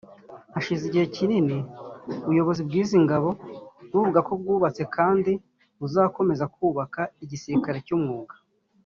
Hashize igihe kinini ubuyobozi bw’izi ngabo buvuga ko bwubatse kandi buzakomeza kubaka igisilikali cy’umwuga